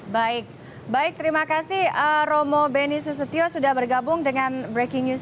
baik baik terima kasih romo beni susetio sudah bergabung dengan breaking news